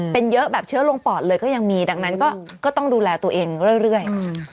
เป็นเยอะแบบเชื้อลงปอดเลยก็ยังมีดังนั้นก็ต้องดูแลตัวเองเรื่อย